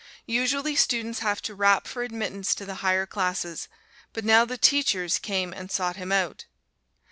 Usually students have to rap for admittance to the higher classes, but now the teachers came and sought him out.